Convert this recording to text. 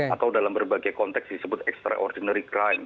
atau dalam berbagai konteks disebut extraordinary crime